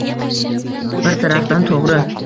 Bir tarafdan to‘g‘ri.